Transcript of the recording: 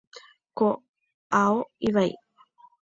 Ko ao ivai.